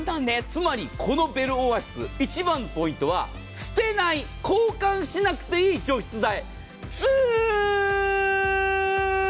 つまりこのベルオアシス一番のポイントは捨てない、交換しなくていい除湿剤。